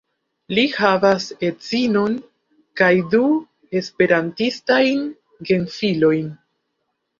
Li havas edzinon kaj du esperantistajn gefilojn.